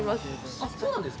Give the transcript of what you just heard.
あっそうなんですか？